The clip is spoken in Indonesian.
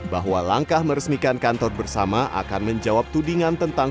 bahwa langkah meresmikan kantor bersama akan menjawab tudingan tentang